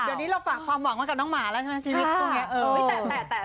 เดี๋ยวนี้เราฝากความหวังไว้กับน้องหมาแล้วใช่ไหมชีวิตคู่นี้